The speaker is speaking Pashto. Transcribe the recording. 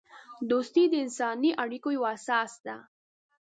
دوستی د انسانی اړیکو یوه اساس ده.